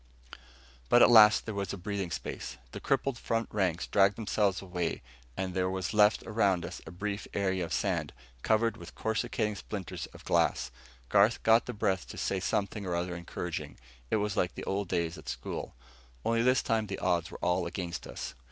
But at last there was a breathing space. The crippled front ranks dragged themselves away, and there was left around us a brief area of sand, covered with coruscating splinters of glass. Garth got the breath to say something or other encouraging. It was like old days at school. Only this time the odds were all against us.